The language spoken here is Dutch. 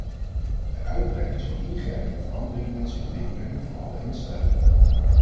De uitbreiding zal ingrijpende veranderingen met zich mee brengen voor alle instellingen.